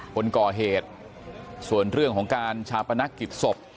คนก่อเหตุส่วนเรื่องของการชาปนักกิจศพ